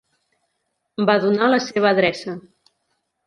Va donar la seva adreça.